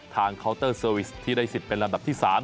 เคาน์เตอร์เซอร์วิสที่ได้สิทธิ์เป็นลำดับที่๓